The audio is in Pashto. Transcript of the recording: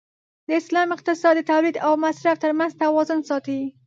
د اسلام اقتصاد د تولید او مصرف تر منځ توازن ساتي.